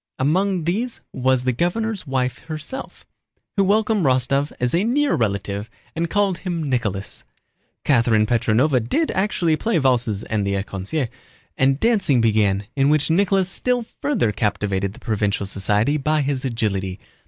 Among these was the governor's wife herself, who welcomed Rostóv as a near relative and called him "Nicholas." Catherine Petróvna did actually play valses and the écossaise, and dancing began in which Nicholas still further captivated the provincial society by his agility.